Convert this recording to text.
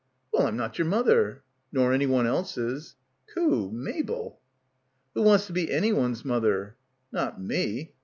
"Well — I'm not your mother." "Nor anyone else's." "Khoo, Mabel." "Who wants to be anyone's mother?" "Not me.